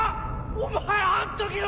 お前あん時の！